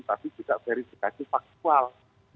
tapi juga verifikasi faktual